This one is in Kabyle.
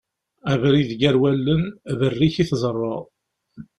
Abrid gar wallen, berrik i t-ẓerreɣ.